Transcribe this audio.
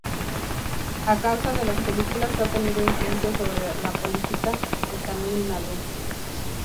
A causa de las películas ha tenido influencia sobre la política de Tamil Nadu.